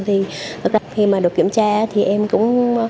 thì thực ra khi mà được kiểm tra thì em cũng